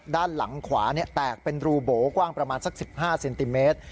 ด้านหลังขวาแตกเป็นรูโบกว้างประมาณสัก๑๕เซนติเมตร